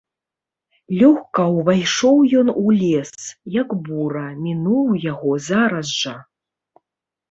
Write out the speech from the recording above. Лёгка ўвайшоў ён у лес, як бура, мінуў яго зараз жа.